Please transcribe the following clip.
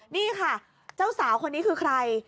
นี่ค่ะเจ้าสาวคนนี้คือใคร